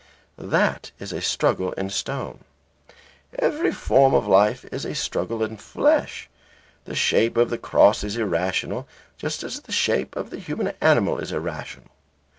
That is a struggle in stone. Every form of life is a struggle in flesh. The shape of the cross is irrational, just as the shape of the human animal is irrational.